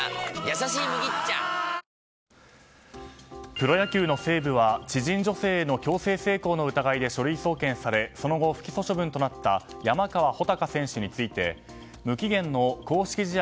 プロ野球の西武は知人女性への強制性交の疑いで書類送検されその後、不起訴処分となった山川穂高選手について無期限の公式試合